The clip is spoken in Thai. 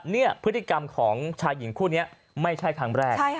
นี่พฤติกรรมของชายหญิงคู่นี้ไม่ใช่ครั้งแรก